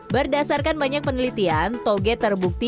berdasarkan banyak penelitian toge terbukti untuk membuat pisang lebih kecil